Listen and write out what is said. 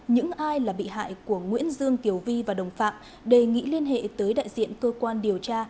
những ai là bị hại của nguyễn dương kiều vi và đồng phạm đề nghị liên hệ tới đại diện cơ quan điều tra